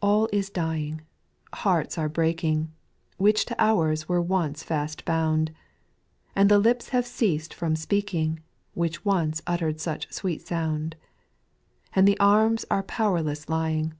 2. All is dying : hearts are breaking. Which to ours were once fast bound, And the lips have ceased from speaking, Which once utterM such sweet sound, And the arms are powerless lying.